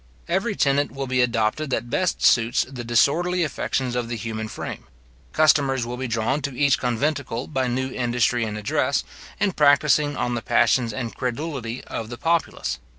Every tenet will be adopted that best suits the disorderly affections of the human frame. Customers will be drawn to each conventicle by new industry and address, in practising on the passions and credulity of the populace.